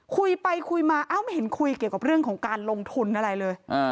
คุยไปคุยมาเอ้าไม่เห็นคุยเกี่ยวกับเรื่องของการลงทุนอะไรเลย